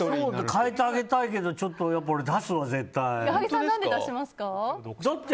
変えてあげたいけどやっぱり俺、出すわ絶対。